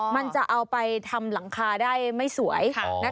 มันจะเอาไปทำหลังคาได้ไม่สวย